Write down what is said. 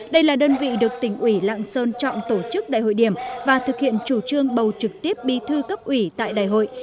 đây là đơn vị được tỉnh ủy lạng sơn chọn tổ chức đại hội điểm và thực hiện chủ trương bầu trực tiếp bi thư cấp ủy tại đại hội